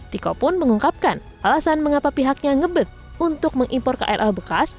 tiko pun mengungkapkan alasan mengapa pihaknya ngebet untuk mengimpor krl bekas